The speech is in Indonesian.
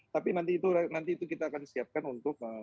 tapi nanti itu kita akan siapkan untuk